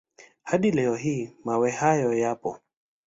Hadi leo hii mawe hayo yapo.